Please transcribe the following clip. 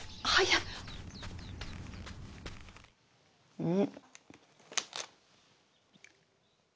うん！